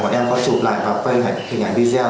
mọi em có chụp lại và phây hình ảnh video